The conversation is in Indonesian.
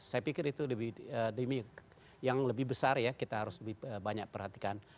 saya pikir itu lebih demi yang lebih besar ya kita harus lebih banyak perhatikan